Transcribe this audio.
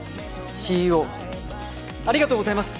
ＣＥＯありがとうございます！